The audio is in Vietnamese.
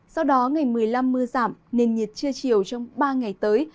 sau đó ngày một mươi năm mưa giảm nền nhiệt chưa chiều trong ba ngày tới